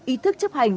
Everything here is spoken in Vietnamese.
ý thức chấp hành